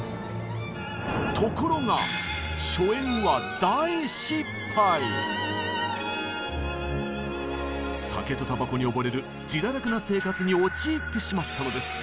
ところが酒とたばこに溺れる自堕落な生活に陥ってしまったのです。